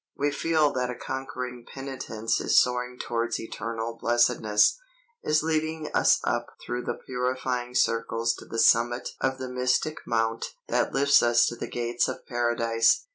We feel that a conquering penitence is soaring towards eternal blessedness, is leading us up through the purifying circles to the summit of the mystic mount that lifts us to the gates of paradise.